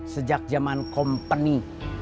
sejak zaman kompeni